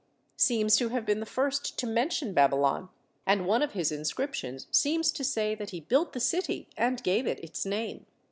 seems to have been the first to mention Baby lon, and one of his inscriptions seems to say that he built the city and gave it its name.